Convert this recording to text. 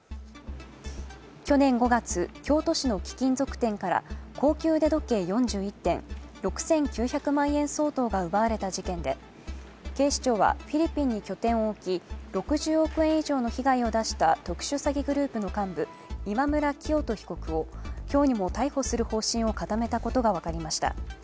去年５月、京都市の貴金属店から高級腕時計４１点、６９００万円相当が奪われた事件で、警視庁は、フィリピンに拠点を置き６０億円以上の被害を出した特殊詐欺グループの幹部今村磨人被告を今日にも逮捕する方針を固めたことが分かりました。